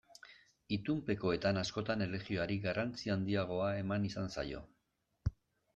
Itunpekoetan askotan erlijioari garrantzi handiagoa eman izan zaio.